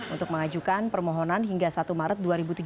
untuk mengajukan permohonan hingga satu maret dua ribu tujuh belas